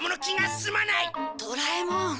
ドラえもん。